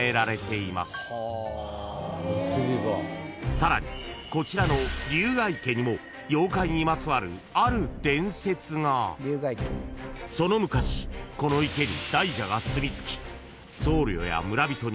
［さらにこちらの龍が池にも妖怪にまつわるある伝説が］［その昔この池に］